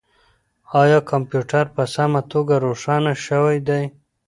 آیا کمپیوټر په سمه توګه روښانه شوی دی؟